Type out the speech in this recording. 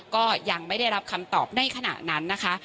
ก็ยังไม่ได้รับคำตอบในขณะนั้นนะคะ